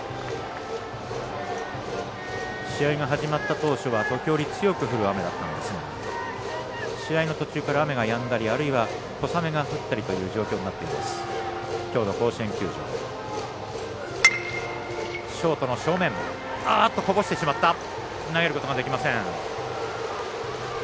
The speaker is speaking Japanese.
試合が始まった当初は時折強く降る雨だったんですが試合の途中から雨がやんだりあるいは、小雨が降ったりという状況になっているきょうの甲子園球場です。